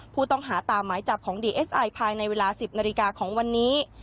ผู้ต้องหาตามหมายจับของดีเอสไอภายในเวลา๑๐นาฬิกาของวันนี้